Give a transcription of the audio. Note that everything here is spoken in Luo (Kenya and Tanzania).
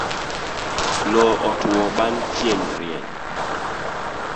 Loo otuo bang' chieng' rieny